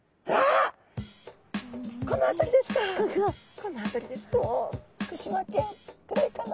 この辺りですと福島県ぐらいかな。